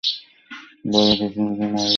বারের পেছনদিকে, ময়লার ঝুড়িতে আছে ওটা।